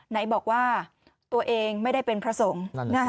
ไหนบอกว่าตัวเองไม่ได้เป็นพระสงฆ์